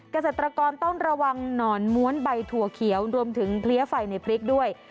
เกษตรกรต้องระวังหนอนม้วนใบถั่วเขียวรวมถึงเพลี้ยไฟในพริกด้วย